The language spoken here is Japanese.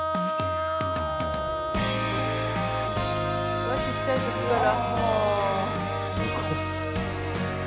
うわっちっちゃい時から。